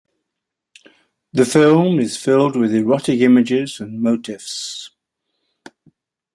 The film is filled with erotic images and motifs.